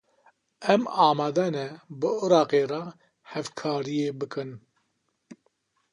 Em amade ne bi Iraqê re hevkariyê bikin.